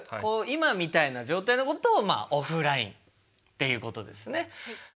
今みたいな状態のことをオフラインっていうことですね。